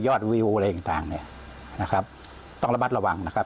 ยอดวิวอะไรต่างนะครับต้องระบัดระวังนะครับ